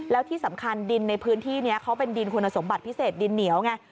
แล้วที่สำคัญดินในพื้นที่นี้เขาเป็นดินคุณสมบัติพิเศษดินเหนียวไง